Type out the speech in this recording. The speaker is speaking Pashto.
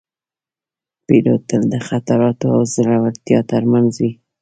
پیلوټ تل د خطر او زړورتیا ترمنځ وي